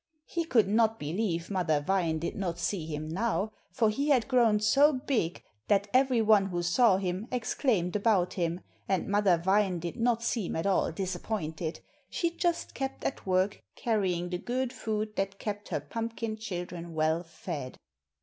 He could not believe Mother Vine did not see him now, for he had grown so big that every one who saw him exclaimed about him, and Mother Vine did not seem at all disappointed, she just kept at work carrying the good food that kept her pumpkin children well fed.